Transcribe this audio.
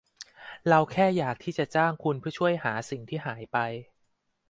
เราแค่อยากที่จะจ้างคุณเพื่อช่วยหาสิ่งที่หายไป